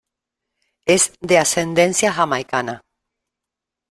Es de ascendencia jamaicana.